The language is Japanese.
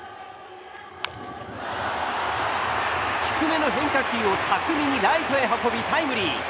低めの変化球をライトへ運びタイムリー。